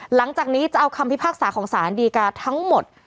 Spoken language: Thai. หลังจากนี้จะเอาคำพิพากษาของสารดีกาทั้งหมด